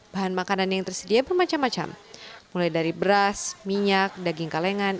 bahan makanan yang tersedia bermacam macam mulai dari beras minyak daging kalengan